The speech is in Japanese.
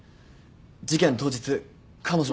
事件当日彼女は。